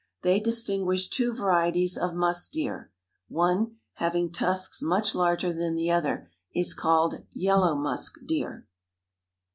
They distinguish two varieties of musk deer: one, having tusks much larger than the other, is called "yellow musk deer."